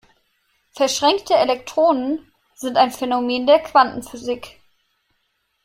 Verschränkte Elektronen sind ein Phänomen der Quantenphysik.